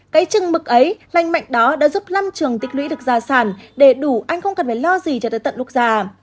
cái trừng mực ấy lành mạnh đó đã giúp lâm trường tịch lũy được gia sản để đủ anh không cần phải lo gì cho tới tận lúc già